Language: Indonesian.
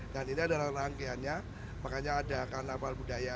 dan ini adalah rangkaiannya makanya ada karnaval budaya